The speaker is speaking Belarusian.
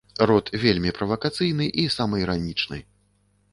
Рот вельмі правакацыйны і самаіранічны.